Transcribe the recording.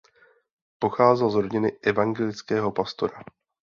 Pocházel z rodiny evangelického pastora.